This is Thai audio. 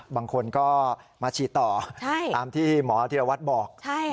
บางคนก็มาฉีดต่อตามที่หมอธิรวัตรบอก